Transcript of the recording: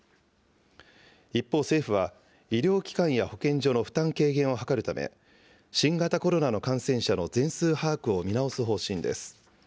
一方、政府は医療機関や保健所の負担軽減を図るため、新型コロナの感染者の全数把握を見直す方針です。